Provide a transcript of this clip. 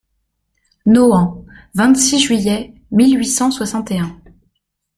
Nohant, vingt-six juillet mille huit cent soixante et un.